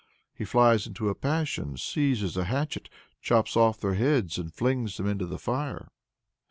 He flies into a passion, seizes a hatchet, chops off their heads, and flings them into the fire.